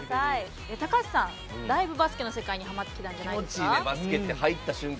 高橋さんだいぶバスケの世界にハマってきたんじゃないですか。